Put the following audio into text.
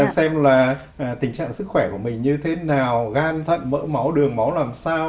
xem là tình trạng sức khỏe của mình như thế nào gan thận mỡ máu đường máu làm sao